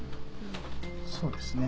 そうですね。